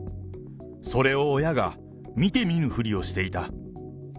それを親が、見て見ぬふりをしていた。